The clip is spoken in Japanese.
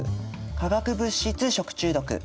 化学物質食中毒。